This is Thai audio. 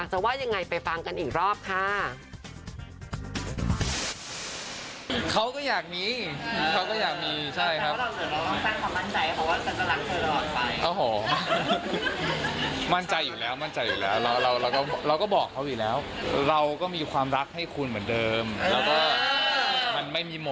จะไปรักลูกมากกว่าหรือเปล่า